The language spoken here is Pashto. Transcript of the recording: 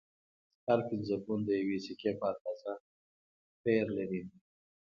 هر پنځه ګون د یوې سکې په اندازه پیر لري